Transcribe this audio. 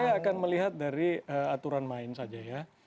saya akan melihat dari aturan main saja ya